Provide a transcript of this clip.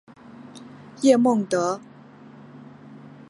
叶梦得。